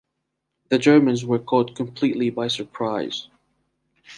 The Germans were caught completely by surprise.